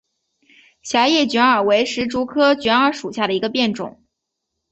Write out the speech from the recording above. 狭叶卷耳为石竹科卷耳属下的一个变种。